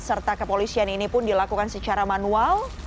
serta kepolisian ini pun dilakukan secara manual